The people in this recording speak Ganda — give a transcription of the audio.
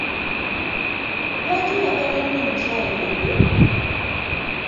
Lwaki oyagala nnyo omukyala oyo?